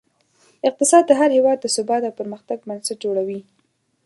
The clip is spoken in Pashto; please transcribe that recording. اقتصاد د هر هېواد د ثبات او پرمختګ بنسټ جوړوي.